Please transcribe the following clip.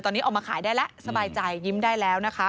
ตอนนี้ออกมาขายได้แล้วสบายใจยิ้มได้แล้วนะคะ